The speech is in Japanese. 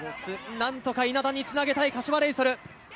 何とか稲田につなげたい、柏レイソル。